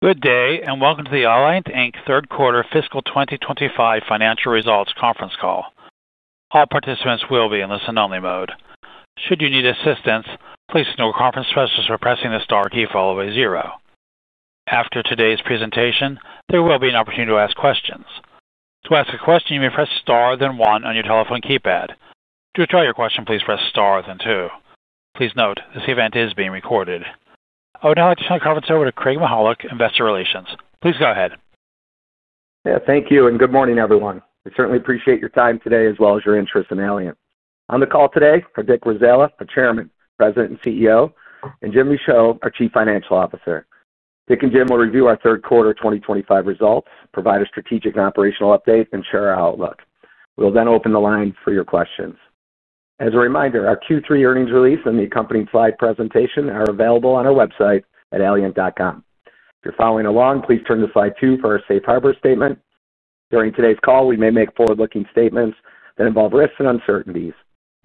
Good day, and welcome to the Allient third quarter fiscal 2025 financial results conference call. All participants will be in listen-only mode. Should you need assistance, please know the conference process is pressing the star key followed by zero. After today's presentation, there will be an opportunity to ask questions. To ask a question, you may press star then one on your telephone keypad. To withdraw your question, please press star then two. Please note this event is being recorded. I would now like to turn the conference over to Craig Mychajluk, Investor Relations. Please go ahead. Yeah, thank you, and good morning, everyone. We certainly appreciate your time today as well as your interest in Allient. On the call today are Dick Warzala, our Chairman, President, and CEO, and Jim Michaud, our Chief Financial Officer. Dick and Jim will review our third quarter 2025 results, provide a strategic and operational update, and share our outlook. We'll then open the line for your questions. As a reminder, our Q3 earnings release and the accompanying slide presentation are available on our website at allient.com. If you're following along, please turn to slide two for our safe harbor statement. During today's call, we may make forward-looking statements that involve risks and uncertainties.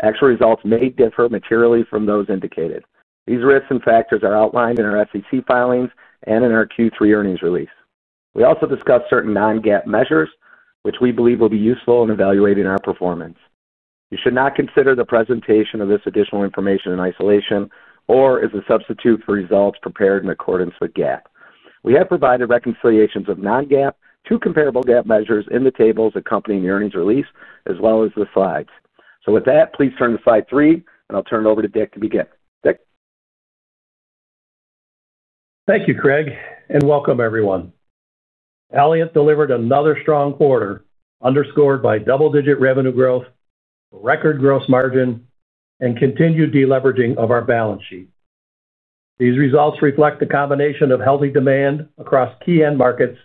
Actual results may differ materially from those indicated. These risks and factors are outlined in our SEC filings and in our Q3 earnings release. We also discussed certain non-GAAP measures, which we believe will be useful in evaluating our performance. You should not consider the presentation of this additional information in isolation or as a substitute for results prepared in accordance with GAAP. We have provided reconciliations of non-GAAP to comparable GAAP measures in the tables accompanying the earnings release as well as the slides. With that, please turn to slide three, and I'll turn it over to Dick to begin. Dick. Thank you, Craig, and welcome, everyone. Allient delivered another strong quarter underscored by double-digit revenue growth, record gross margin, and continued deleveraging of our balance sheet. These results reflect the combination of healthy demand across key end markets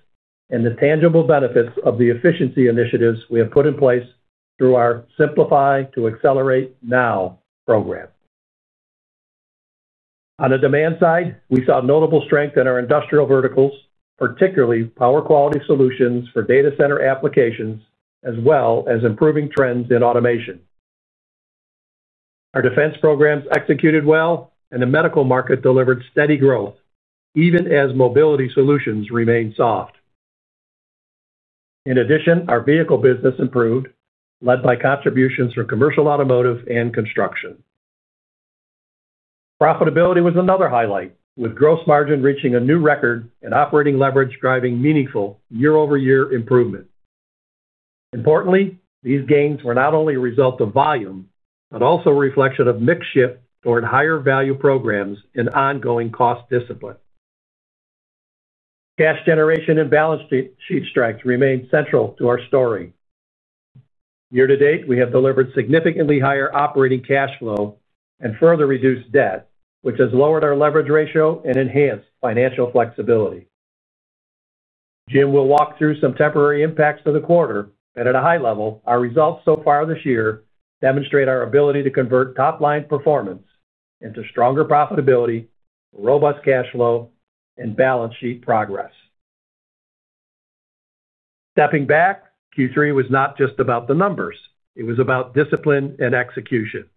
and the tangible benefits of the efficiency initiatives we have put in place through our Simplify to Accelerate Now program. On the demand side, we saw notable strength in our industrial verticals, particularly power quality solutions for data center applications, as well as improving trends in automation. Our defense programs executed well, and the medical market delivered steady growth, even as mobility solutions remained soft. In addition, our vehicle business improved, led by contributions from commercial automotive and construction. Profitability was another highlight, with gross margin reaching a new record and operating leverage driving meaningful year-over-year improvement. Importantly, these gains were not only a result of volume but also a reflection of mix shift toward higher value programs and ongoing cost discipline. Cash generation and balance sheet strength remained central to our story. Year to date, we have delivered significantly higher operating cash flow and further reduced debt, which has lowered our leverage ratio and enhanced financial flexibility. Jim will walk through some temporary impacts of the quarter, but at a high level, our results so far this year demonstrate our ability to convert top-line performance into stronger profitability, robust cash flow, and balance sheet progress. Stepping back, Q3 was not just about the numbers; it was about discipline and execution.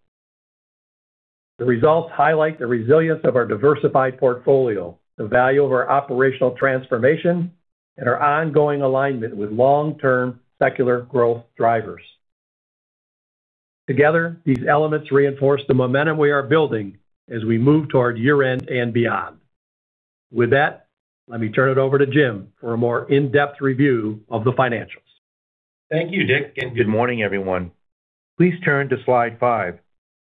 The results highlight the resilience of our diversified portfolio, the value of our operational transformation, and our ongoing alignment with long-term secular growth drivers. Together, these elements reinforce the momentum we are building as we move toward year-end and beyond. With that, let me turn it over to Jim for a more in-depth review of the financials. Thank you, Dick, and good morning, everyone. Please turn to slide five.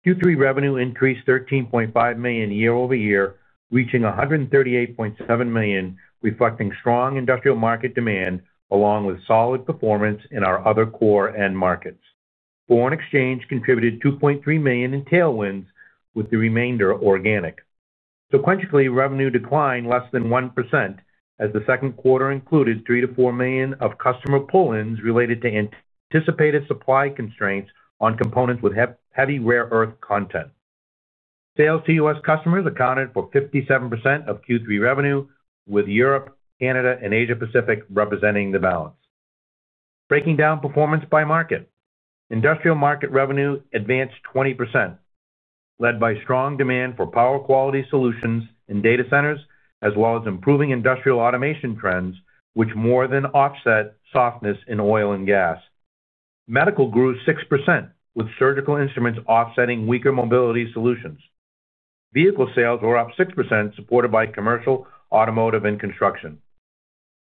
Q3 revenue increased $13.5 million year-over-year, reaching $138.7 million, reflecting strong industrial market demand along with solid performance in our other core end markets. Foreign exchange contributed $2.3 million in tailwinds, with the remainder organic. Sequentially, revenue declined less than 1% as the second quarter included $3 million-$4 million of customer pull-ins related to anticipated supply constraints on components with heavy rare earth content. Sales to U.S. customers accounted for 57% of Q3 revenue, with Europe, Canada, and Asia-Pacific representing the balance. Breaking down performance by market, industrial market revenue advanced 20%, led by strong demand for power quality solutions in data centers as well as improving industrial automation trends, which more than offset softness in oil and gas. Medical grew 6%, with surgical instruments offsetting weaker mobility solutions. Vehicle sales were up 6%, supported by commercial, automotive, and construction.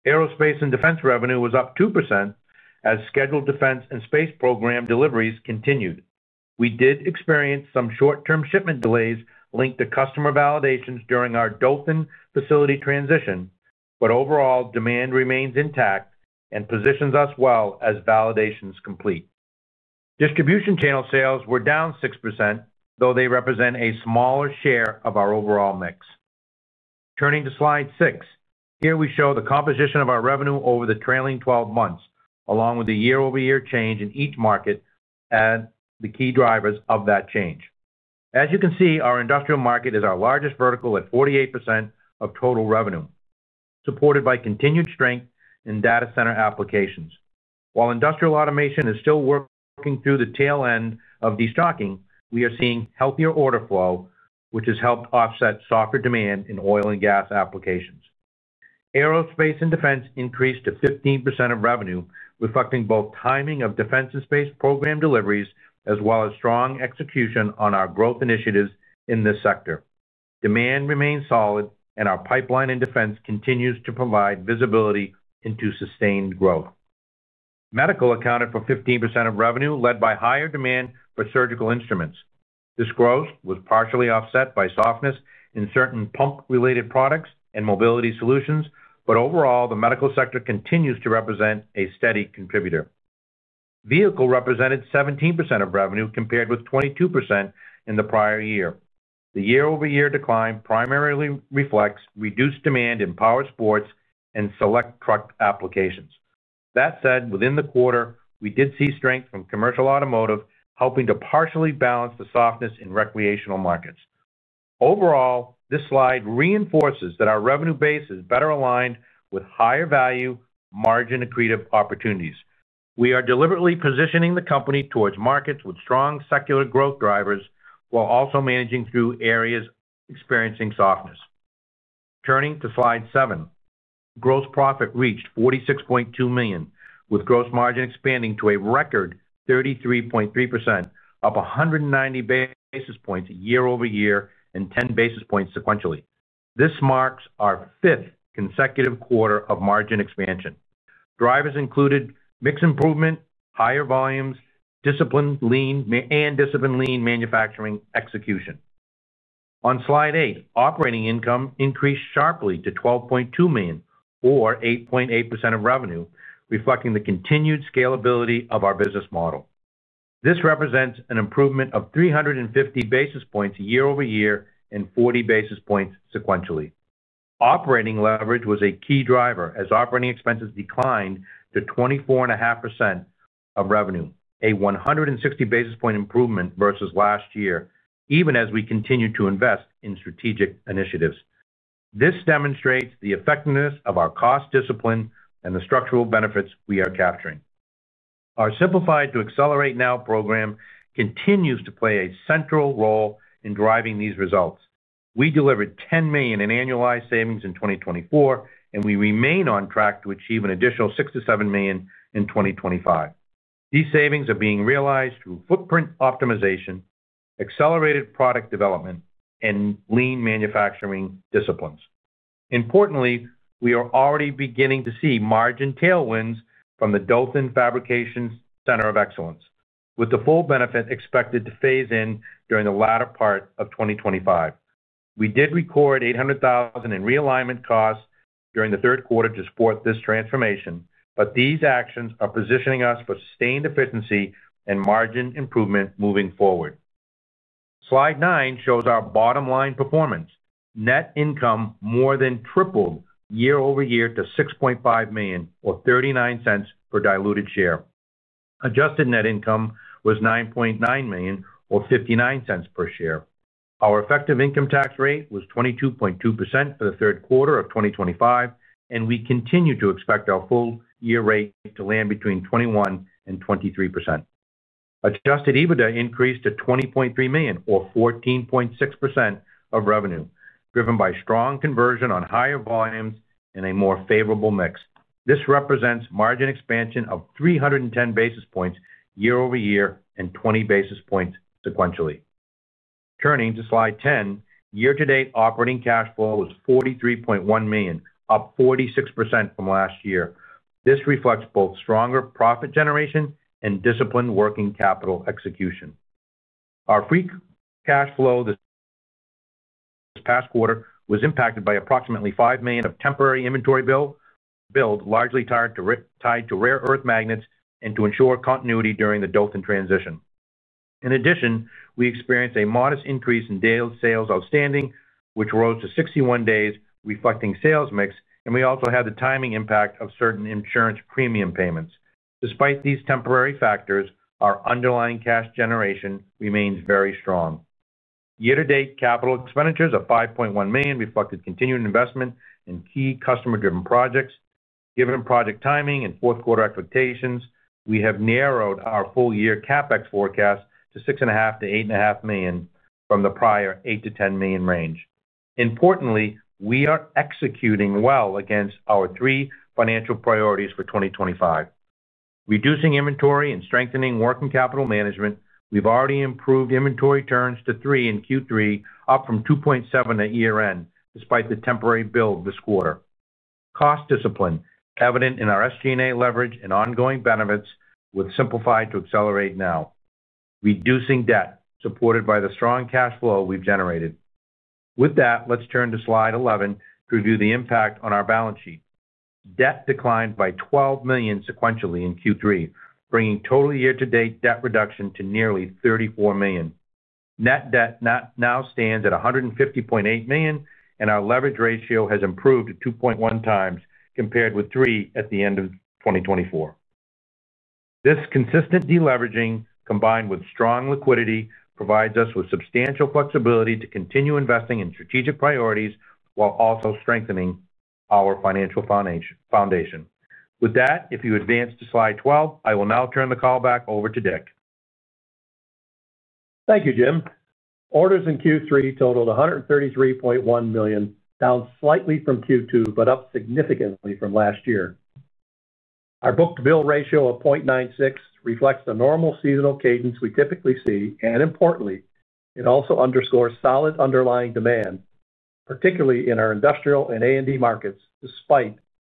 Aerospace and defense revenue was up 2% as scheduled defense and space program deliveries continued. We did experience some short-term shipment delays linked to customer validations during our Dothan facility transition, but overall demand remains intact and positions us well as validations complete. Distribution channel sales were down 6%, though they represent a smaller share of our overall mix. Turning to slide six, here we show the composition of our revenue over the trailing 12 months, along with the year-over-year change in each market. The key drivers of that change. As you can see, our industrial market is our largest vertical at 48% of total revenue, supported by continued strength in data center applications. While industrial automation is still working through the tail end of destocking, we are seeing healthier order flow, which has helped offset softer demand in oil and gas applications. Aerospace and defense increased to 15% of revenue, reflecting both timing of defense and space program deliveries as well as strong execution on our growth initiatives in this sector. Demand remains solid, and our pipeline in defense continues to provide visibility into sustained growth. Medical accounted for 15% of revenue, led by higher demand for surgical instruments. This growth was partially offset by softness in certain pump-related products and mobility solutions, but overall, the medical sector continues to represent a steady contributor. Vehicle represented 17% of revenue compared with 22% in the prior year. The year-over-year decline primarily reflects reduced demand in power sports and select truck applications. That said, within the quarter, we did see strength from commercial automotive, helping to partially balance the softness in recreational markets. Overall, this slide reinforces that our revenue base is better aligned with higher value margin accretive opportunities. We are deliberately positioning the company towards markets with strong secular growth drivers while also managing through areas experiencing softness. Turning to slide seven, gross profit reached $46.2 million, with gross margin expanding to a record 33.3%, up 190 basis points year-over-year and 10 basis points sequentially. This marks our fifth consecutive quarter of margin expansion. Drivers included mix improvement, higher volumes, disciplined lean, and disciplined lean manufacturing execution. On slide eight, operating income increased sharply to $12.2 million, or 8.8% of revenue, reflecting the continued scalability of our business model. This represents an improvement of 350 basis points year-over-year and 40 basis points sequentially. Operating leverage was a key driver as operating expenses declined to 24.5% of revenue, a 160 basis point improvement versus last year, even as we continue to invest in strategic initiatives. This demonstrates the effectiveness of our cost discipline and the structural benefits we are capturing. Our Simplify to Accelerate Now program continues to play a central role in driving these results. We delivered $10 million in annualized savings in 2024, and we remain on track to achieve an additional $6 million-$7 million in 2025. These savings are being realized through footprint optimization, accelerated product development, and lean manufacturing disciplines. Importantly, we are already beginning to see margin tailwinds from the Dothan Fabrication Center of Excellence, with the full benefit expected to phase in during the latter part of 2025. We did record $800,000 in realignment costs during the third quarter to support this transformation, but these actions are positioning us for sustained efficiency and margin improvement moving forward. Slide nine shows our bottom-line performance. Net income more than tripled year-over-year to $6.5 million, or $0.39 per diluted share. Adjusted net income was $9.9 million, or $0.59 per share. Our effective income tax rate was 22.2% for the third quarter of 2025, and we continue to expect our full year rate to land between 21% and 23%. Adjusted EBITDA increased to $20.3 million, or 14.6% of revenue, driven by strong conversion on higher volumes and a more favorable mix. This represents margin expansion of 310 basis points year-over-year and 20 basis points sequentially. Turning to slide ten, year-to-date operating cash flow was $43.1 million, up 46% from last year. This reflects both stronger profit generation and disciplined working capital execution. Our free cash flow this past quarter was impacted by approximately $5 million of temporary inventory build, largely tied to rare earth magnets and to ensure continuity during the Dothan transition. In addition, we experienced a modest increase in daily sales outstanding, which rose to 61 days, reflecting sales mix, and we also had the timing impact of certain insurance premium payments. Despite these temporary factors, our underlying cash generation remains very strong. Year-to-date capital expenditures of $5.1 million reflected continued investment in key customer-driven projects. Given project timing and fourth quarter expectations, we have narrowed our full year CapEx forecast to $6.5 million-$8.5 million from the prior $8 million-$10 million range. Importantly, we are executing well against our three financial priorities for 2025. Reducing inventory and strengthening working capital management, we've already improved inventory turns to three in Q3, up from 2.7% at year-end, despite the temporary build this quarter. Cost discipline, evident in our SG&A leverage and ongoing benefits, with Simplify to Accelerate Now. Reducing debt, supported by the strong cash flow we've generated. With that, let's turn to slide 11 to review the impact on our balance sheet. Debt declined by $12 million sequentially in Q3, bringing total year-to-date debt reduction to nearly $34 million. Net debt now stands at $150.8 million, and our leverage ratio has improved to 2.1 x compared with three at the end of 2024. This consistent deleveraging, combined with strong liquidity, provides us with substantial flexibility to continue investing in strategic priorities while also strengthening our financial foundation. With that, if you advance to slide 12, I will now turn the call back over to Dick. Thank you, Jim. Orders in Q3 totaled $133.1 million, down slightly from Q2 but up significantly from last year. Our book-to-bill ratio of 0.96% reflects the normal seasonal cadence we typically see, and importantly, it also underscores solid underlying demand, particularly in our industrial and A&D markets, despite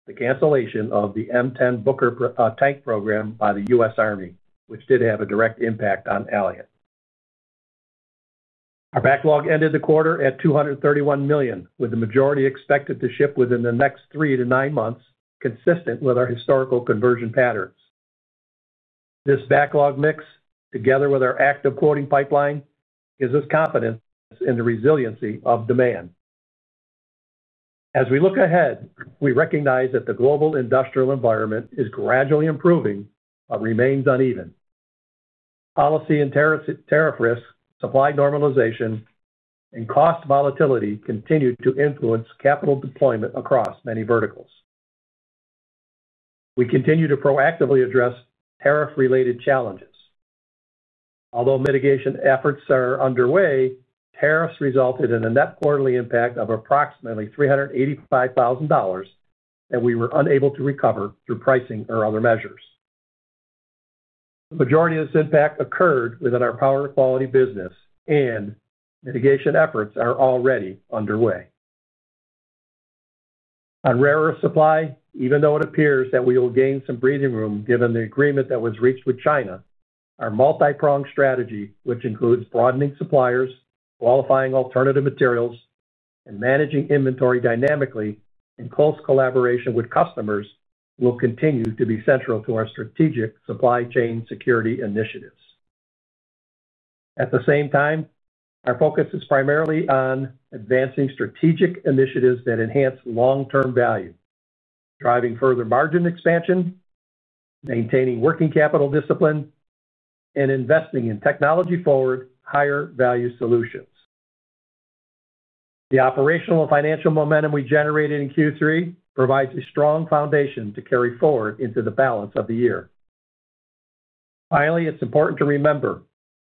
the cancellation of the M10 Booker tank program by the U.S. Army, which did have a direct impact on Allient. Our backlog ended the quarter at $231 million, with the majority expected to ship within the next three to nine months, consistent with our historical conversion patterns. This backlog mix, together with our active quoting pipeline, gives us confidence in the resiliency of demand. As we look ahead, we recognize that the global industrial environment is gradually improving but remains uneven. Policy and tariff risks, supply normalization, and cost volatility continue to influence capital deployment across many verticals. We continue to proactively address tariff-related challenges. Although mitigation efforts are underway, tariffs resulted in a net quarterly impact of approximately $385,000 that we were unable to recover through pricing or other measures. The majority of this impact occurred within our power quality business, and mitigation efforts are already underway. On rare earth supply, even though it appears that we will gain some breathing room given the agreement that was reached with China, our multi-pronged strategy, which includes broadening suppliers, qualifying alternative materials, and managing inventory dynamically in close collaboration with customers, will continue to be central to our strategic supply chain security initiatives. At the same time, our focus is primarily on advancing strategic initiatives that enhance long-term value, driving further margin expansion. Maintaining working capital discipline, and investing in technology-forward, higher-value solutions. The operational financial momentum we generated in Q3 provides a strong foundation to carry forward into the balance of the year. Finally, it's important to remember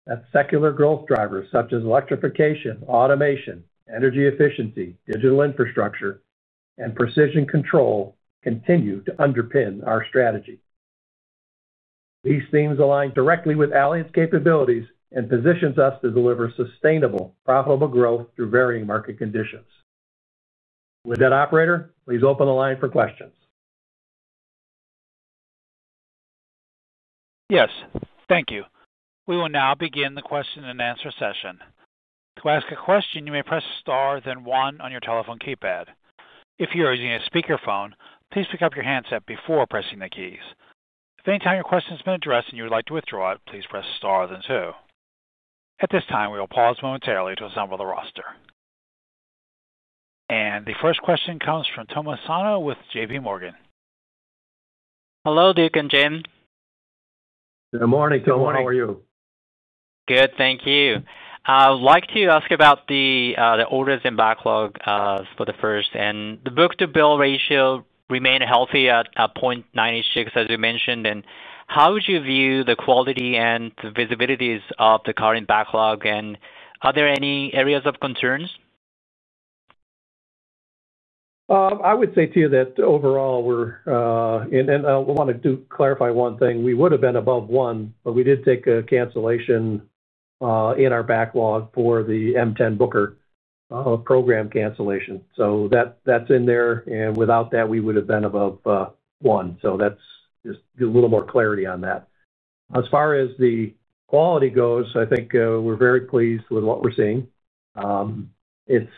that secular growth drivers such as electrification, automation, energy efficiency, digital infrastructure, and precision control continue to underpin our strategy. These themes align directly with Allient's capabilities and position us to deliver sustainable, profitable growth through varying market conditions. With that, operator, please open the line for questions. Yes, thank you. We will now begin the question and answer session. To ask a question, you may press star then one on your telephone keypad. If you are using a speakerphone, please pick up your handset before pressing the keys. If at any time your question has been addressed and you would like to withdraw it, please press star then two. At this time, we will pause momentarily to assemble the roster. The first question comes from Tom Sanano with JPMorgan. Hello, Dick and Jim. Good morning, Tom. How are you? Good, thank you. I'd like to ask about the orders in backlog for the first. The book-to-bill ratio remained healthy at 0.96%, as you mentioned. How would you view the quality and the visibilities of the current backlog? Are there any areas of concerns? I would say to you that overall, we're—and I want to clarify one thing—we would have been above one, but we did take a cancellation. In our backlog for the M10 Booker. Program cancellation. So that's in there. Without that, we would have been above one. That's just a little more clarity on that. As far as the quality goes, I think we're very pleased with what we're seeing. It's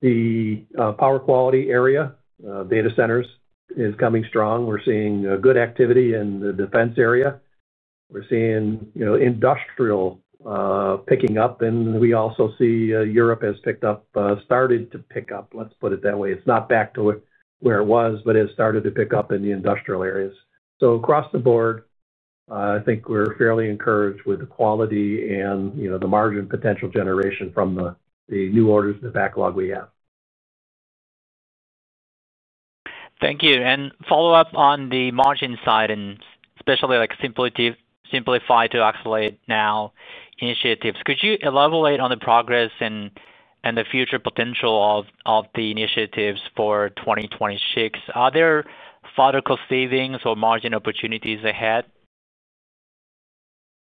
the power quality area. Data centers is coming strong. We're seeing good activity in the defense area. We're seeing industrial picking up. We also see Europe has picked up, started to pick up. Let's put it that way. It's not back to where it was, but it has started to pick up in the industrial areas. Across the board, I think we're fairly encouraged with the quality and the margin potential generation from the new orders in the backlog we have. Thank you. Follow-up on the margin side, and especially Simplify to Accelerate Now initiatives. Could you elaborate on the progress and the future potential of the initiatives for 2026? Are there farther cost savings or margin opportunities ahead?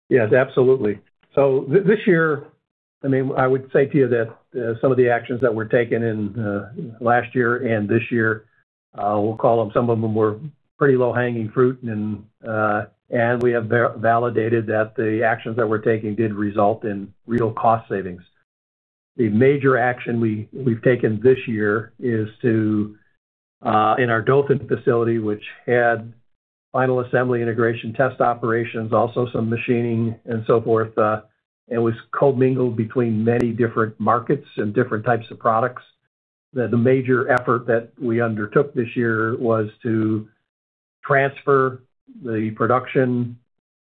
Yes, absolutely. This year, I mean, I would say to you that some of the actions that were taken in last year and this year, we'll call them, some of them were pretty low-hanging fruit. We have validated that the actions that we're taking did result in real cost savings. The major action we've taken this year is to, in our Dothan facility, which had final assembly integration test operations, also some machining and so forth, and was co-mingled between many different markets and different types of products. The major effort that we undertook this year was to transfer the production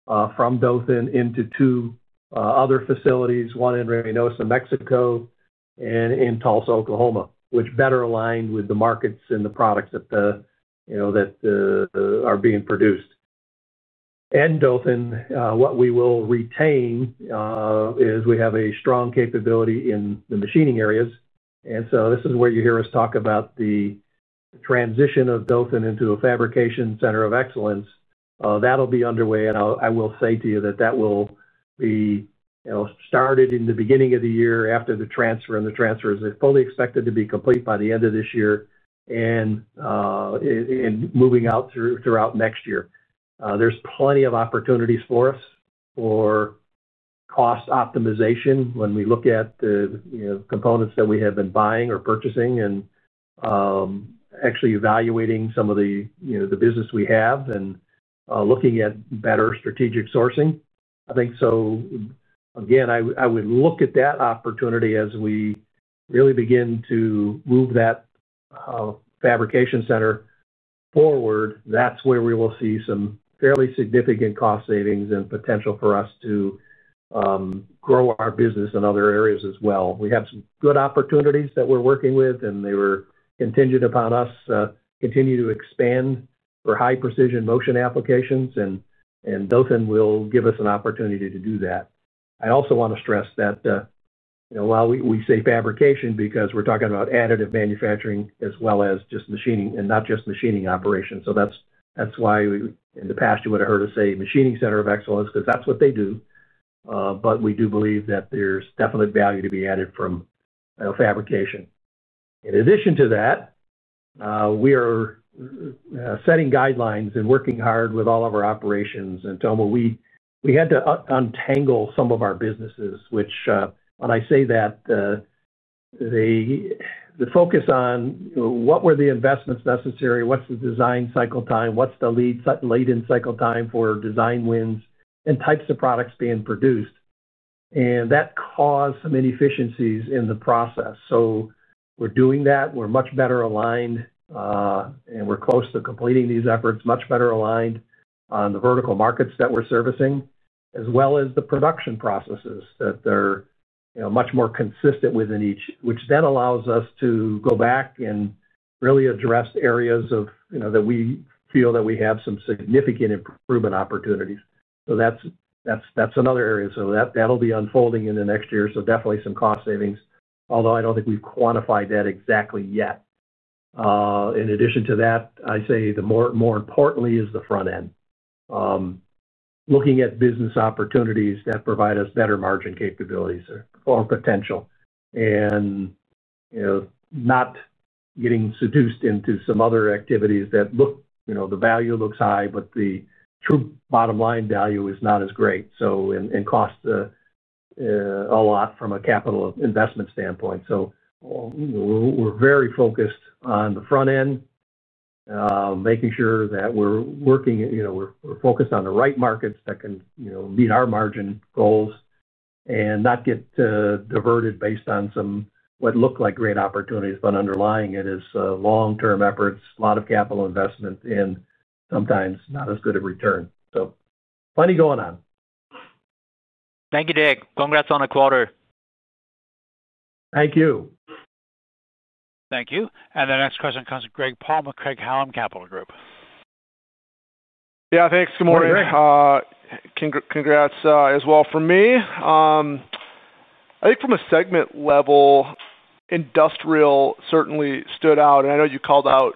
from Dothan into two other facilities, one in Reynosa, Mexico, and in Tulsa, Oklahoma, which better aligned with the markets and the products that are being produced. In Dothan, what we will retain is we have a strong capability in the machining areas. This is where you hear us talk about the transition of Dothan into a Fabrication Center of Excellence. That will be underway. I will say to you that that will be started in the beginning of the year after the transfer. The transfer is fully expected to be complete by the end of this year and moving out throughout next year. There are plenty of opportunities for us for cost optimization when we look at the components that we have been buying or purchasing and actually evaluating some of the business we have and looking at better strategic sourcing. I think so. Again, I would look at that opportunity as we really begin to move that Fabrication Center forward. That is where we will see some fairly significant cost savings and potential for us to grow our business in other areas as well. We have some good opportunities that we're working with, and they were contingent upon us to continue to expand for high-precision motion applications. Dothan will give us an opportunity to do that. I also want to stress that while we say fabrication, because we're talking about additive manufacturing as well as just machining and not just machining operations. That is why in the past you would have heard us say machining center of excellence, because that's what they do. We do believe that there's definite value to be added from fabrication. In addition to that, we are setting guidelines and working hard with all of our operations. Tom, we had to untangle some of our businesses, which when I say that. The focus on what were the investments necessary, what's the design cycle time, what's the lead-in cycle time for design wins and types of products being produced. That caused some inefficiencies in the process. We're doing that. We're much better aligned. We're close to completing these efforts, much better aligned on the vertical markets that we're servicing, as well as the production processes that are much more consistent within each, which then allows us to go back and really address areas that we feel that we have some significant improvement opportunities. That's another area. That'll be unfolding in the next year. Definitely some cost savings, although I don't think we've quantified that exactly yet. In addition to that, I say more importantly is the front end. Looking at business opportunities that provide us better margin capabilities or potential and. Not getting seduced into some other activities that look—the value looks high, but the true bottom line value is not as great, so and costs. A lot from a capital investment standpoint. We are very focused on the front end. Making sure that we are working—we are focused on the right markets that can meet our margin goals and not get diverted based on what looked like great opportunities. Underlying it is long-term efforts, a lot of capital investment, and sometimes not as good a return. Plenty going on. Thank you, Dick. Congrats on the quarter. Thank you. Thank you. The next question comes from Greg Palm, Craig-Hallum Capital Group. Yeah, thanks. Good morning. Hi, Greg. Congrats as well from me. I think from a segment level, industrial certainly stood out. I know you called out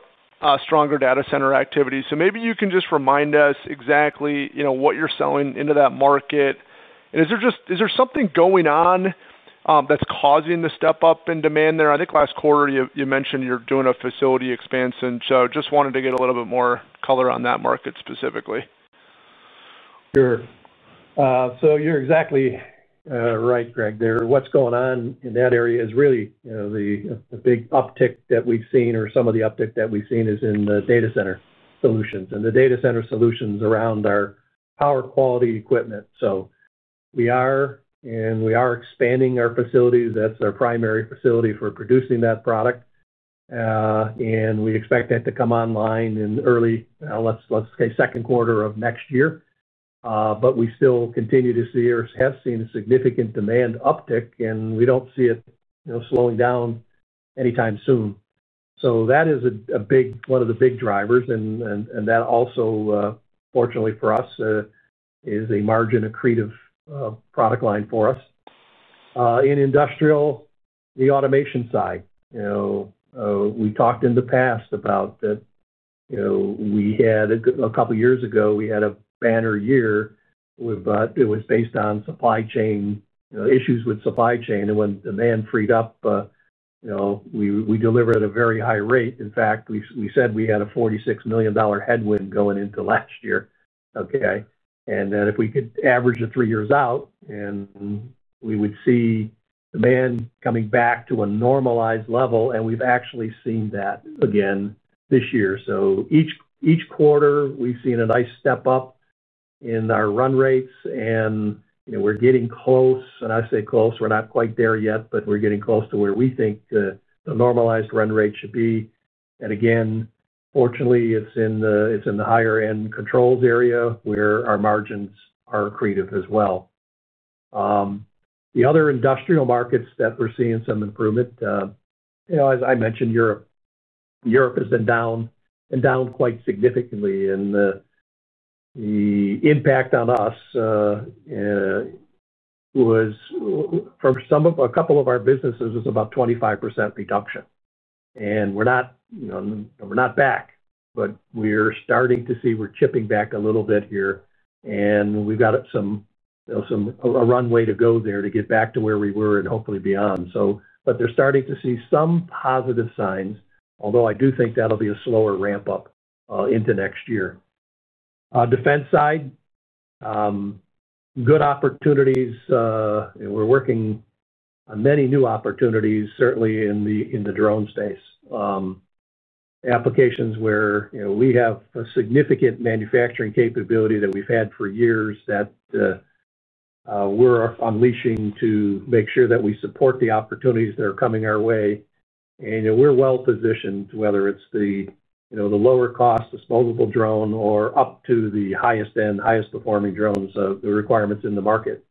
stronger data center activity. Maybe you can just remind us exactly what you're selling into that market. Is there something going on that's causing the step-up in demand there? I think last quarter you mentioned you're doing a facility expansion. I just wanted to get a little bit more color on that market specifically. Sure. You're exactly right, Greg. What's going on in that area is really the big uptick that we've seen, or some of the uptick that we've seen, is in the data center solutions and the data center solutions around our power quality equipment. We are expanding our facilities. That's our primary facility for producing that product, and we expect that to come online in early, let's say, second quarter of next year. We still continue to see or have seen a significant demand uptick, and we don't see it slowing down anytime soon. That is one of the big drivers. That also, fortunately for us, is a margin accretive product line for us. In industrial, the automation side, we talked in the past about. We had a couple of years ago, we had a banner year where it was based on supply chain issues with supply chain. And when demand freed up. We delivered at a very high rate. In fact, we said we had a $46 million headwind going into last year. Okay. And then if we could average it three years out, we would see demand coming back to a normalized level. And we've actually seen that again this year. Each quarter, we've seen a nice step up in our run rates. We're getting close. I say close, we're not quite there yet, but we're getting close to where we think the normalized run rate should be. Fortunately, it's in the higher-end controls area where our margins are accretive as well. The other industrial markets that we're seeing some improvement. As I mentioned, Europe has been down. Quite significantly. The impact on us was from a couple of our businesses, was about 25% reduction. We're not back, but we're starting to see we're chipping back a little bit here. We've got some runway to go there to get back to where we were and hopefully beyond. They're starting to see some positive signs, although I do think that'll be a slower ramp-up into next year. Defense side, good opportunities. We're working on many new opportunities, certainly in the drone space. Applications where we have a significant manufacturing capability that we've had for years that we're unleashing to make sure that we support the opportunities that are coming our way. We're well positioned, whether it's the lower-cost disposable drone or up to the highest-end, highest-performing drones, the requirements in the market.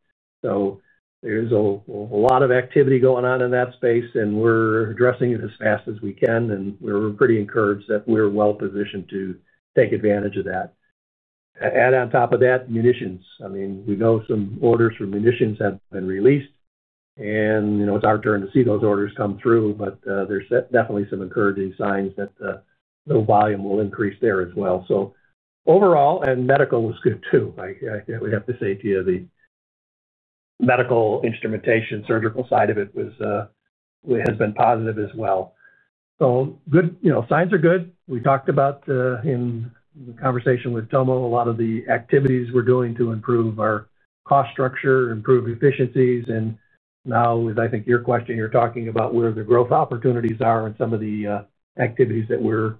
There's a lot of activity going on in that space, and we're addressing it as fast as we can. We're pretty encouraged that we're well positioned to take advantage of that. Add on top of that, munitions. I mean, we know some orders for munitions have been released. It's our turn to see those orders come through. There's definitely some encouraging signs that the volume will increase there as well. Overall, medical was good too. I would have to say to you the medical instrumentation, surgical side of it, has been positive as well. Signs are good. We talked about in the conversation with Tom a lot of the activities we're doing to improve our cost structure, improve efficiencies. Now, with, I think, your question, you're talking about where the growth opportunities are and some of the activities that we're.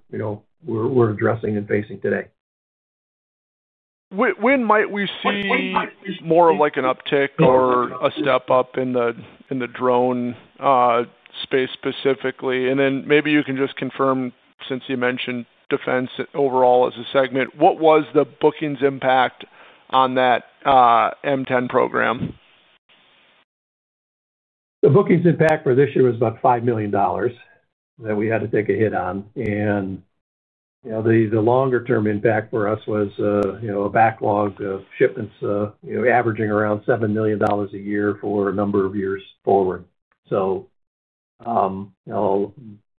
Addressing and facing today. When might we see more of an uptick or a step-up in the drone space specifically? And then maybe you can just confirm, since you mentioned defense overall as a segment, what was the bookings impact on that M10 program? The bookings impact for this year was about $5 million that we had to take a hit on. The longer-term impact for us was a backlog of shipments averaging around $7 million a year for a number of years forward. A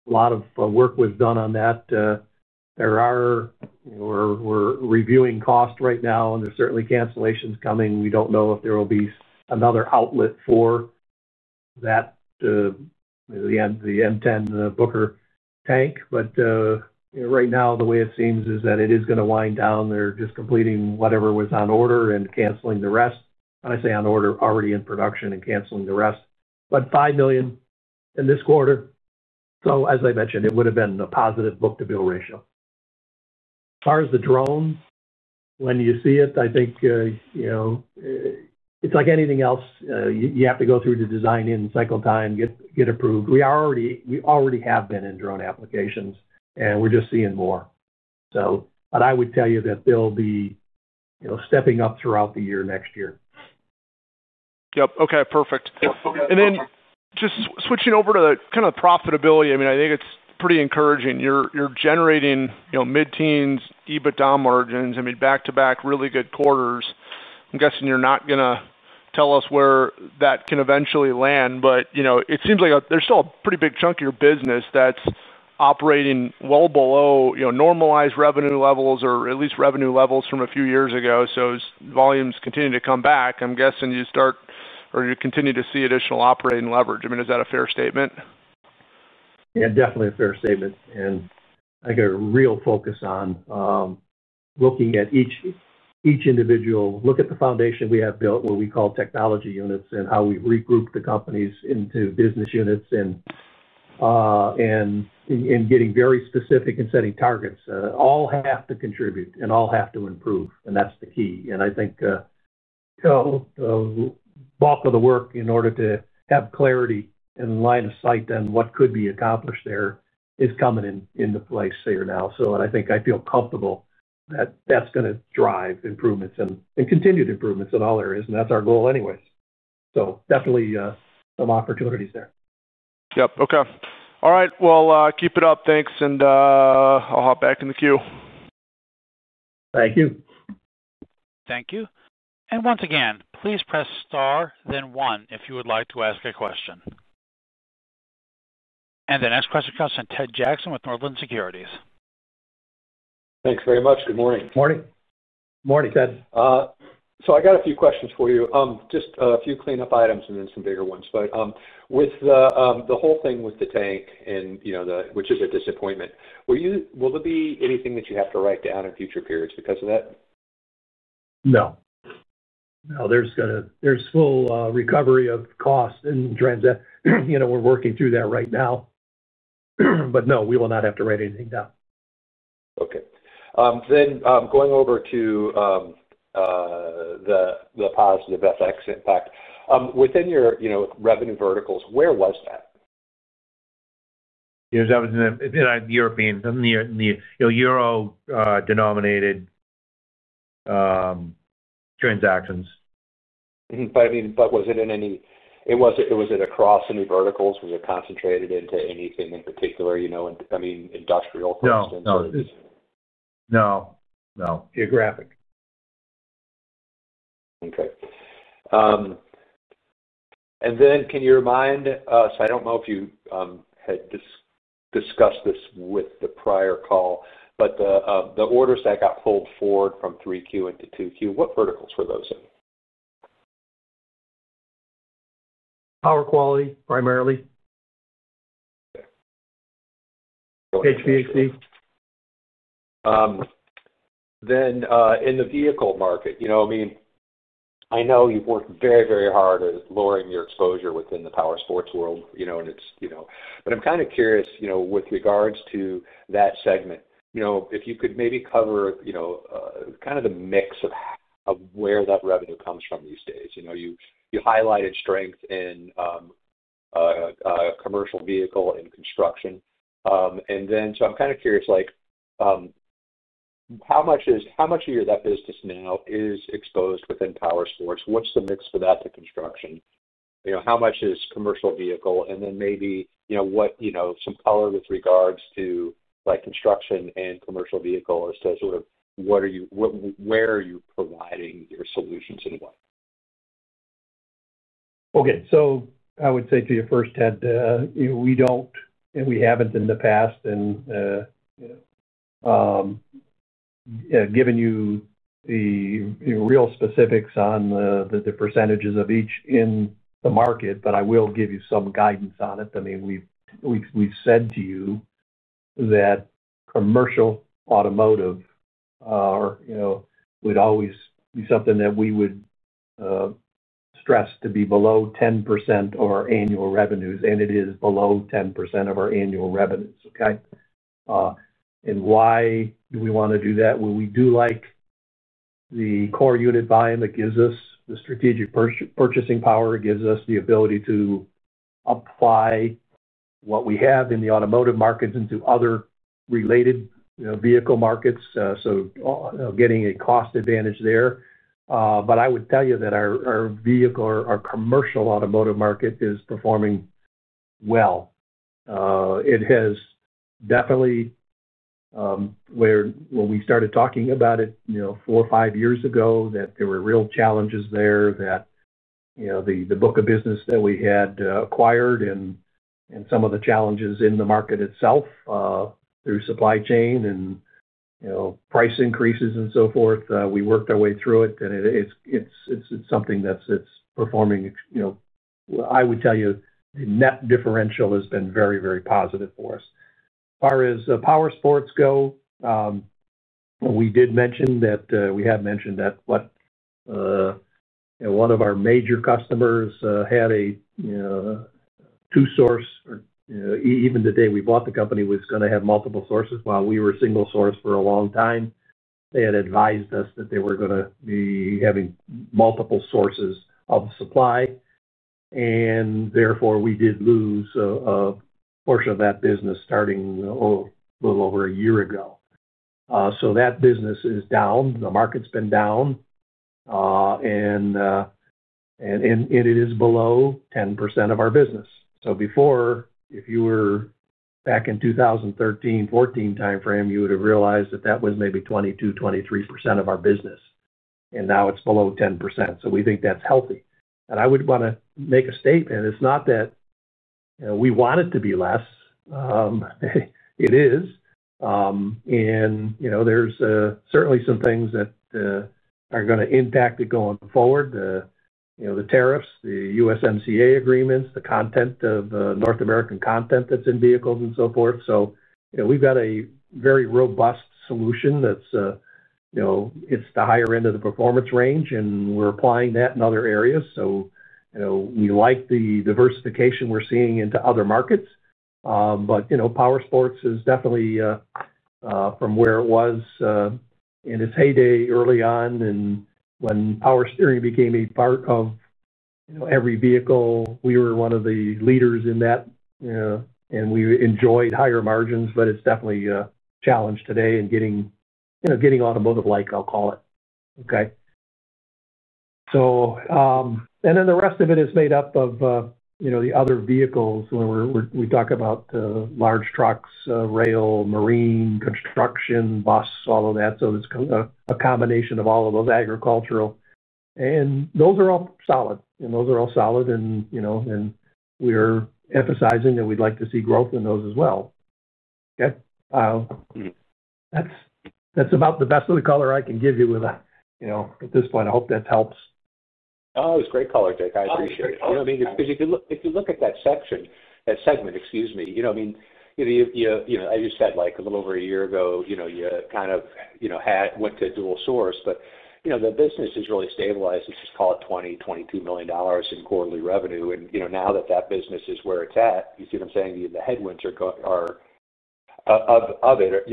lot of work was done on that. We're reviewing costs right now, and there's certainly cancellations coming. We don't know if there will be another outlet for the M10 Booker tank. Right now, the way it seems is that it is going to wind down. They're just completing whatever was on order and canceling the rest. When I say on order, already in production and canceling the rest. $5 million in this quarter. As I mentioned, it would have been a positive book-to-bill ratio. As far as the drone, when you see it, I think it's like anything else. You have to go through the design and cycle time and get approved. We already have been in drone applications, and we're just seeing more. I would tell you that they'll be stepping up throughout the year next year. Yep. Okay. Perfect. And then just switching over to kind of profitability. I mean, I think it's pretty encouraging. You're generating mid-teens, EBITDA margins, I mean, back-to-back really good quarters. I'm guessing you're not going to tell us where that can eventually land. But it seems like there's still a pretty big chunk of your business that's operating well below normalized revenue levels or at least revenue levels from a few years ago. So as volumes continue to come back, I'm guessing you start or you continue to see additional operating leverage. I mean, is that a fair statement? Yeah, definitely a fair statement. I got a real focus on looking at each individual, look at the foundation we have built, what we call technology units, and how we regroup the companies into business units. Getting very specific and setting targets. All have to contribute and all have to improve. That's the key. I think the bulk of the work in order to have clarity and line of sight on what could be accomplished there is coming into place here now. I think I feel comfortable that that's going to drive improvements and continued improvements in all areas. That's our goal anyways. Definitely some opportunities there. Yep. Okay. All right. Keep it up. Thanks. I'll hop back in the queue. Thank you. Thank you. Once again, please press star, then one if you would like to ask a question. The next question comes from Ted Jackson with Northland Securities. Thanks very much. Good morning. Good morning. Good morning, Ted. I got a few questions for you. Just a few cleanup items and then some bigger ones. With the whole thing with the tank, which is a disappointment, will there be anything that you have to write down in future periods because of that? No. No, there's full recovery of cost. We're working through that right now. No, we will not have to write anything down. Okay. Then going over to the positive FX impact, within your revenue verticals, where was that? That was in the European, in the euro-denominated transactions. I mean, was it in any—was it across any verticals? Was it concentrated into anything in particular? I mean, industrial, for instance, or? No. No. Geographic. Okay. Can you remind—so I do not know if you had discussed this with the prior call—but the orders that got pulled forward from 3Q into 2Q, what verticals were those in? Power quality, primarily. Okay. HVAC. In the vehicle market, I mean, I know you've worked very, very hard at lowering your exposure within the power sports world. It's—but I'm kind of curious with regards to that segment, if you could maybe cover kind of the mix of where that revenue comes from these days. You highlighted strength in commercial vehicle and construction. I'm kind of curious how much of that business now is exposed within power sports. What's the mix for that to construction? How much is commercial vehicle? Maybe what some color with regards to construction and commercial vehicle as to sort of where are you providing your solutions and what? Okay. I would say to you first, Ted, we don't—and we haven't in the past—given you the real specifics on the percentages of each in the market, but I will give you some guidance on it. I mean, we've said to you that commercial automotive would always be something that we would stress to be below 10% of our annual revenues. It is below 10% of our annual revenues. Okay? Why do we want to do that? We do like the core unit buying that gives us the strategic purchasing power, gives us the ability to apply what we have in the automotive markets into other related vehicle markets, so getting a cost advantage there. I would tell you that our vehicle, our commercial automotive market, is performing well. It has definitely. Where when we started talking about it four or five years ago, that there were real challenges there. The book of business that we had acquired and some of the challenges in the market itself. Through supply chain and price increases and so forth, we worked our way through it. It is something that is performing. I would tell you the net differential has been very, very positive for us. As far as power sports go, we did mention that. We have mentioned that one of our major customers had a two-source. Even the day we bought the company, we knew it was going to have multiple sources. While we were single-sourced for a long time, they had advised us that they were going to be having multiple sources of supply. Therefore, we did lose a portion of that business starting a little over a year ago. That business is down. The market's been down. It is below 10% of our business. If you were back in 2013, 2014 timeframe, you would have realized that that was maybe 22%-23% of our business. Now it's below 10%. We think that's healthy. I would want to make a statement. It's not that we want it to be less. It is. There's certainly some things that are going to impact it going forward. The tariffs, the USMCA agreements, the North American content that's in vehicles, and so forth. We've got a very robust solution that's the higher end of the performance range, and we're applying that in other areas. We like the diversification we're seeing into other markets. Power sports is definitely, from where it was, in its heyday early on. When power steering became a part of every vehicle, we were one of the leaders in that. We enjoyed higher margins. It is definitely a challenge today in getting automotive-like, I'll call it. The rest of it is made up of the other vehicles. We talk about large trucks, rail, marine, construction, bus, all of that. It is a combination of all of those agricultural. Those are all solid. We are emphasizing that we would like to see growth in those as well. That is about the best of the color I can give you at this point. I hope that helps. Oh, it was great color, Dick. I appreciate it. I mean, if you look at that segment, excuse me, I mean, I just said a little over a year ago, you kind of went to dual source. But the business has really stabilized. Let's just call it $20 million-$22 million in quarterly revenue. And now that that business is where it's at, you see what I'm saying? The headwinds are, of it,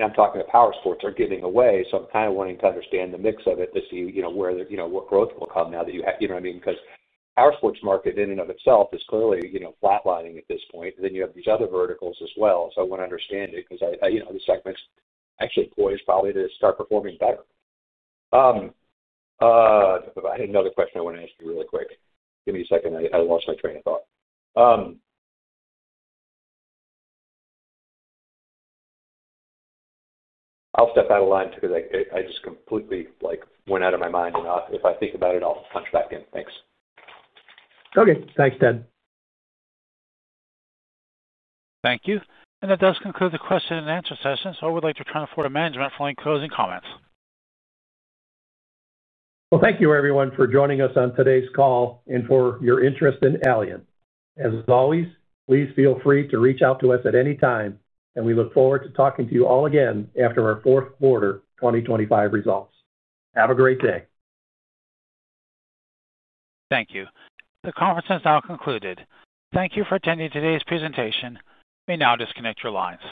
I'm talking to power sports, are giving away. So I'm kind of wanting to understand the mix of it to see where the growth will come now that you have—you know what I mean? Because the power sports market in and of itself is clearly flatlining at this point. You have these other verticals as well. I want to understand it because the segment's actually poised probably to start performing better. I had another question I want to ask you really quick. Give me a second. I lost my train of thought. I'll step out of line because I just completely went out of my mind. If I think about it, I'll punch back in. Thanks. Okay. Thanks, Ted. Thank you. That does conclude the question and answer session. I would like to turn it forward to management for any closing comments. Thank you, everyone, for joining us on today's call and for your interest in Allient. As always, please feel free to reach out to us at any time. We look forward to talking to you all again after our fourth quarter 2025 results. Have a great day. Thank you. The conference has now concluded. Thank you for attending today's presentation. You may now disconnect your lines.